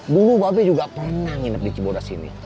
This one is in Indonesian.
bulu babe juga pernah nginep di cibora sini